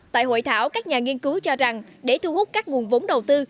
tại hội thảo các nhà nghiên cứu cho rằng để thu hút các nguồn vốn đầu tư